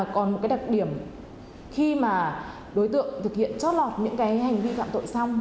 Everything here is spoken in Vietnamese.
còn một đặc điểm khi đối tượng thực hiện chót lọt những hành vi phạm tội xong